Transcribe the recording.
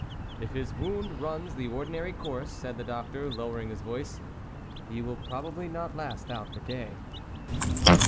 " If his wound runs the ordinary course," said the doctor, lowering his voice, ' he will probably not last out the day."